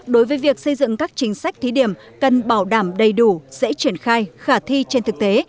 đối với việc xây dựng các chính sách thí điểm cần bảo đảm đầy đủ dễ triển khai khả thi trên thực tế